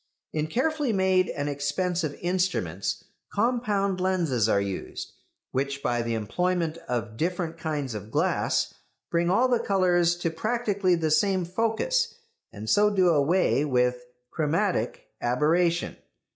In carefully made and expensive instruments compound lenses are used, which by the employment of different kinds of glass bring all the colours to practically the same focus, and so do away with chromatic aberration.